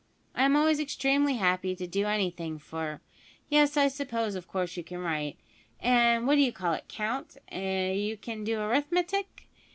I am always extremely happy to do anything for yes, I suppose of course you can write, and, what d'ye call it count you can do arithmetic?"